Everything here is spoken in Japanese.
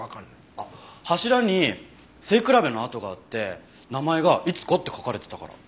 あっ柱に背比べの跡があって名前が「いつこ」って書かれてたから。